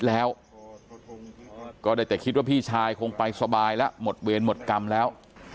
แล้วก็ได้แต่คิดว่าพี่ชายคงไปสบายแล้วหมดเวรหมดกรรมแล้ว